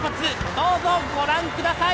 ［どうぞご覧ください］